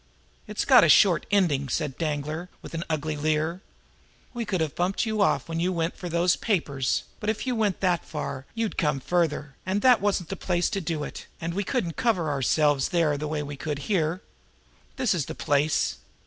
"It's got a short ending," said Danglar, with an ugly leer. "We could have bumped you off when you went for those papers, but if you went that far you'd come farther, and that wasn't the place to do it, and we couldn't cover ourselves there the way we could here. This is the place.